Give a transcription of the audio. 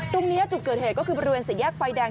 ตรงนี้จุดเกิดเหตุก็คือบริเวณสี่แยกไฟแดง